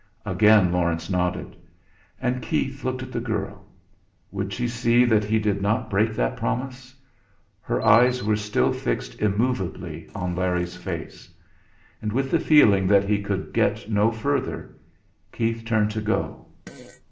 Again Laurence nodded. And Keith looked at the girl. Would she see that he did not break that promise? Her eyes were still fixed immovably on Larry's face. And with the feeling that he could get no further, Keith turned to go.